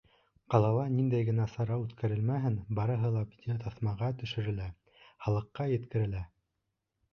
Ҡалала ниндәй генә сара үткәрелмәһен, барыһы ла видеотаҫамаға төшөрөлә, халыҡҡа еткерелә.